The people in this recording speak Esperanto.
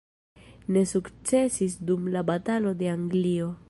Ne sukcesis dum la batalo de Anglio.